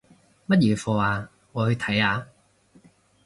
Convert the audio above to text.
乜嘢課吖？我去睇下